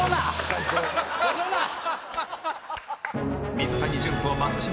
水谷隼と松島輝